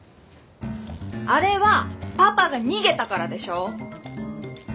あれはパパが逃げたからでしょ！